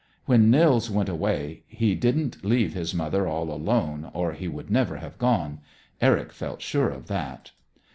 When Nils went away he didn't leave his mother all alone, or he would never have gone. Eric felt sure of that.